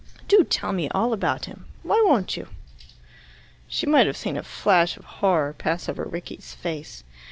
"Do tell me all about him. Why won't you?" She might have seen a flash of horror pass over Rickie's face.